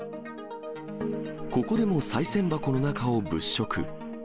ここでもさい銭箱の中を物色。